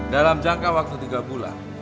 dalam jangka waktu tiga bulan